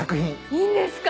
いいんですか？